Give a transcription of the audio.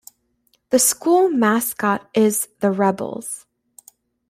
The school mascot is the Rebels.